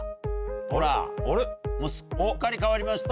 ほらもうすっかり変わりました。